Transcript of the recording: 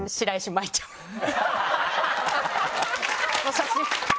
写真。